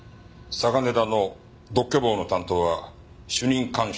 嵯峨根田の独居房の担当は主任看守のお前だな。